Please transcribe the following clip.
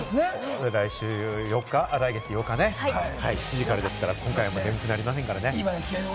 来月８日ね、７時から、今回は眠くなりませんから。